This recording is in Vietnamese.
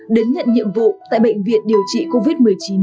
đến nhận nhiệm vụ tại bệnh viện điều trị covid một mươi chín